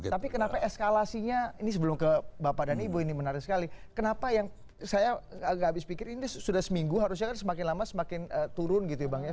tapi kenapa eskalasinya ini sebelum ke bapak dan ibu ini menarik sekali kenapa yang saya agak habis pikir ini sudah seminggu harusnya kan semakin lama semakin turun gitu ya bang ya